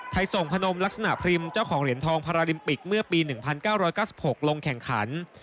ส่งพนมลักษณะพริมเจ้าของเหรียญทองพาราลิมปิกเมื่อปี๑๙๙๖ลงแข่งขัน